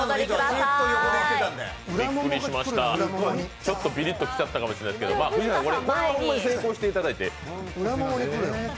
ちょっとビリッときちゃったかもしれないですけど、これせいこうしていただいて。